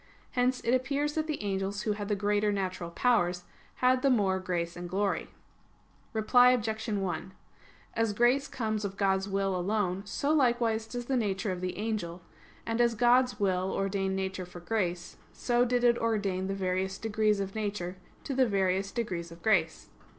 Hence it appears that the angels who had the greater natural powers, had the more grace and glory. Reply Obj. 1: As grace comes of God's will alone, so likewise does the nature of the angel: and as God's will ordained nature for grace, so did it ordain the various degrees of nature to the various degrees of grace.